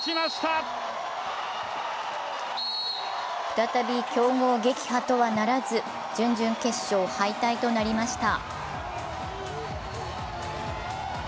再び強豪撃破とはならず準々決勝敗退となりました。